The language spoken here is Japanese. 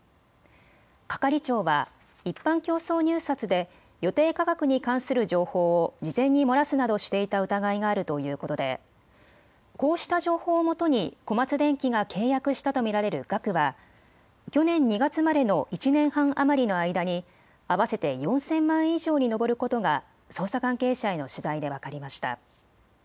係長は一般競争入札で予定価格に関する情報を事前に漏らすなどしていた疑いがあるということでこうした情報をもとに小松電器が契約したと見られる額は去年２月までの１年半余りの間に合わせて４０００万円以上に上ることが捜査関係者への取材で分かりました。